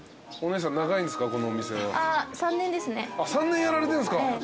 ３年やられてんですか。